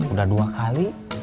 udah dua kali